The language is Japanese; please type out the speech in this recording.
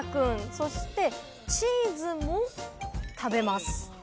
そしてチーズも食べます。